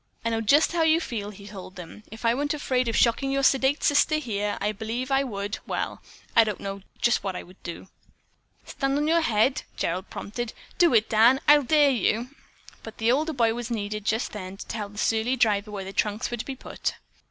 "I know just how you feel," he told them. "If I weren't afraid of shocking your sedate sister here, I believe I would well I don't know just what I would do." "Stand on your head," Gerald prompted. "Do it, Dan. I'll dare you." But the older boy was needed just then to tell the surly driver where the trunks were to be put.